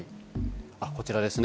こちらですね。